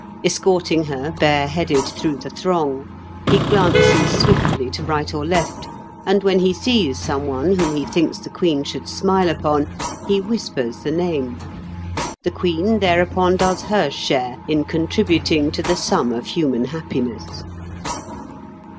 Escorting her, bare headed, through the throng; he glances swiftly to right or left, and when he sees some one whom he thinks the Queen should smile upon he whispers the name. The Queen thereupon does her share in contributing to the sum of human happiness.